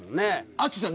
淳さん